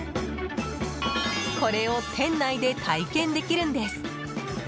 これを店内で体験できるんです。